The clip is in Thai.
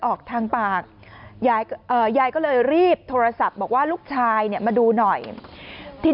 ออกทางปากยายก็เลยรีบโทรศัพท์บอกว่าลูกชายเนี่ยมาดูหน่อยที่